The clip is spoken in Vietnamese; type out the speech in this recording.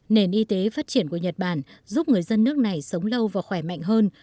nền y tế phát triển của nhật bản giúp người dân nước này sống lâu và khỏe mạnh hơn